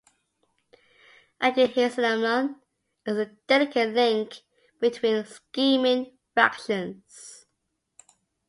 Ankhesenamun is the delicate link between scheming factions.